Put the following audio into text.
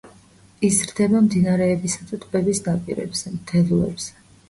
იზრდება მდინარეებისა და ტბების ნაპირებზე, მდელოებზე.